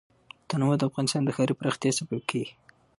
تنوع د افغانستان د ښاري پراختیا سبب کېږي.